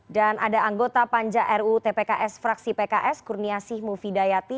dan ada anggota panja ruu tpks fraksi pks kurniasih mufidayati